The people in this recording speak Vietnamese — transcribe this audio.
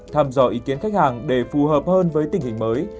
tham dò ý kiến khách hàng để phù hợp hơn với tình hình mới